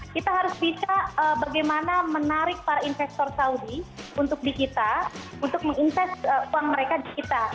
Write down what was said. kita harus bisa bagaimana menarik para investor saudi untuk di kita untuk menginvest uang mereka di kita